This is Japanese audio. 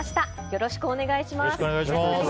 よろしくお願いします。